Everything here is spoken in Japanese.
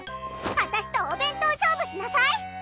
私とお弁当勝負しなさい！